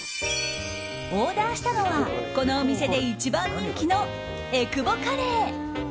オーダーしたのはこのお店で一番人気のえくぼカレー。